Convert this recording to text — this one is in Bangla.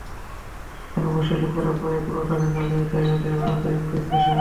এখানে বসে লেকের প্রায় পুরোটা দেখা যায়, তাই ওদের বারান্দাটা একটু স্পেশাল।